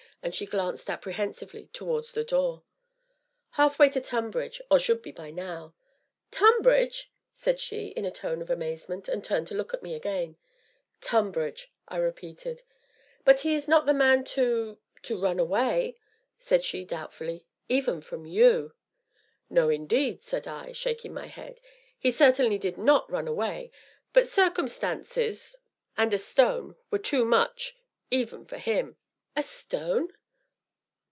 and she glanced apprehensively towards the door. "Half way to Tonbridge or should be by now." "Tonbridge!" said she, in a tone of amazement, and turned to look at me again. "Tonbridge!" I repeated. "But he is not the man to to run away," said she doubtfully "even from you." "No, indeed!" said I, shaking my head, "he certainly did not run away, but circumstances and a stone, were too much even for him." "A stone?"